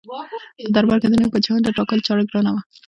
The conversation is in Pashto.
په دربار کې د نوي پاچا د ټاکلو چاره ګرانه وه.